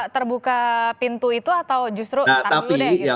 terbuka pintu itu atau justru tapi ya